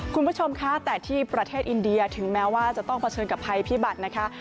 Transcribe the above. คุณผู้ชมคะแต่ที่ประเทศอินเดียถึงแม้ว่าจะต้องเผชิญกับภัยพิบัตรนะคะ